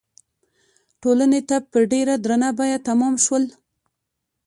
ټولنې ته په ډېره درنه بیه تمام شول.